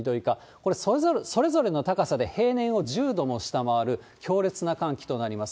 これ、それぞれの高さで平年を１０度も下回る強烈な寒気となります。